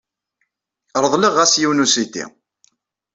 Reḍleɣ-as yiwen n usidi.